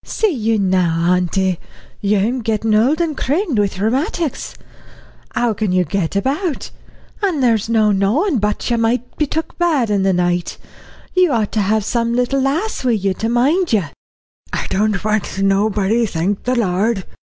"See you now, auntie, you'm gettin' old and crimmed wi' rheumatics. How can you get about? An' there's no knowin' but you might be took bad in the night. You ought to have some little lass wi' you to mind you." "I don't want nobody, thank the Lord."